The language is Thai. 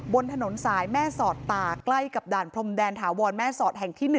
บนถนนสายแม่สอดตากใกล้กับด่านพรมแดนถาวรแม่สอดแห่งที่๑